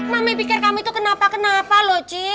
mami pikir kami tuh kenapa kenapa loh c